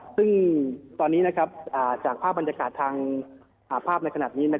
ซึ่งตอนนี้จากภาพบรรยากาศทางภาพในขณะนี้